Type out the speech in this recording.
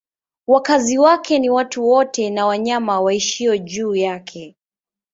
Wakazi wake ni watu wote na wanyama waishio juu yake.